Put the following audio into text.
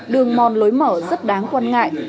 đường mòn lối mở rất đáng quan ngại